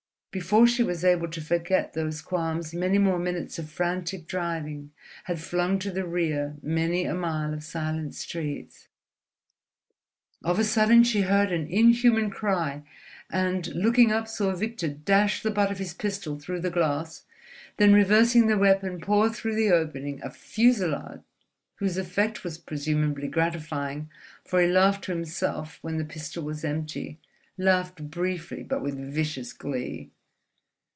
Before she was able to forget those qualms many more minutes of frantic driving had flung to the rear many a mile of silent streets. Of a sudden she heard an inhuman cry and, looking up, saw Victor dash the butt of his pistol through the glass, then reversing the weapon pour through the opening a fusillade whose effect was presumably gratifying, for he laughed to himself when the pistol was empty, laughed briefly but with vicious glee.